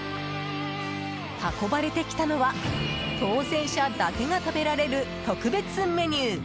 運ばれてきたのは当選者だけが食べられる特別メニュー！